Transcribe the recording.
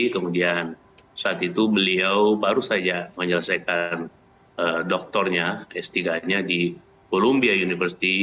kemudian saat itu beliau baru saja menyelesaikan doktornya s tiga nya di columbia university